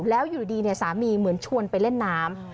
แล้วอยู่ดีสามีเหมือนชวนไปเล่นน้ำ